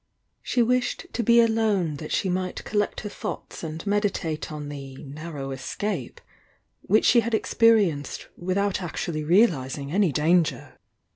She wished to be alone that she might collect her thoughts and meditate on the "narrow escape" which she had experienced without actually realising any danger.